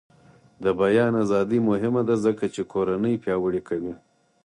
د بیان ازادي مهمه ده ځکه چې کورنۍ پیاوړې کوي.